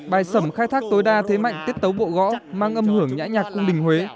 bài sẩm khai thác tối đa thế mạnh tiết tấu bộ gõ mang âm hưởng nhã nhạc linh huế